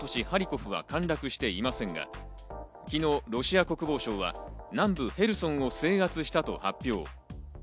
ハリコフは陥落していませんが昨日、ロシア国防省は南部ヘルソンを制圧したと発表。